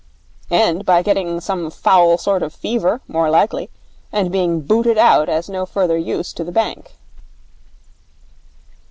'End by getting some foul sort of fever, more likely, and being booted out as no further use to the bank.'